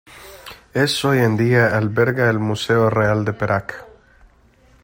Es hoy en día alberga el Museo Real de Perak.